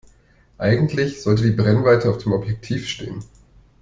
Eigentlich sollte die Brennweite auf dem Objektiv stehen.